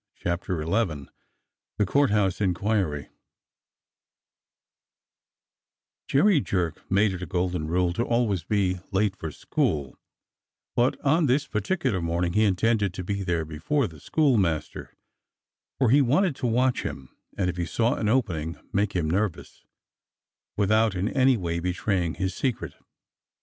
CHAPTER XI THE COURT HOUSE INQUIRY JERRY JERK made it a golden rule to be always late for school, but on this particular morning he intended to be there before the schoolmaster, for he wanted to watch him, and if he saw an opening, make him nervous, without in any way betraying his secret.